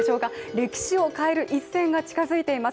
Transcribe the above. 歴史を変える一戦が近づいています。